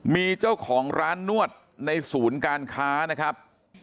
มีเจ้าของร้านนวดในศูนย์การค้านะครับ